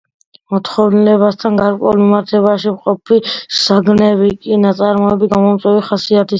მოთხოვნილებასთან გარკვეულ მიმართებაში მყოფი საგნები კი ნაწარმოები გამომწვევი ხასიათისაა.